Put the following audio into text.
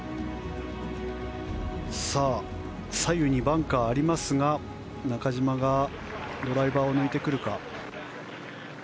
左右にバンカーがありますが中島がドライバーを抜いてくるか。